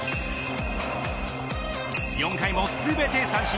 ４回も全て三振。